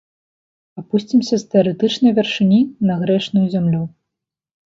Апусцімся з тэарэтычнай вяршыні на грэшную зямлю.